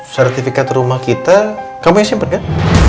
sertifikat rumah kita kamu yang simpen kan